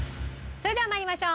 それでは参りましょう。